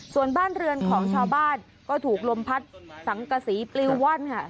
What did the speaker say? ส่วนบ้านเรือนของชาวบ้านก็ถูกลมพัดสังกษีปลิวว่อนค่ะ